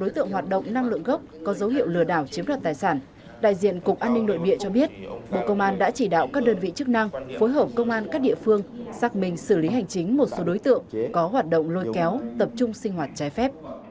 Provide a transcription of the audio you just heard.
bộ công an đã chỉ đạo các đơn vị chức năng phối hợp công an các địa phương xác minh xử lý hành chính một số đối tượng có hoạt động lôi kéo tập trung sinh hoạt trái phép